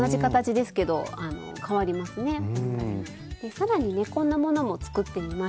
さらにねこんなものも作ってみました。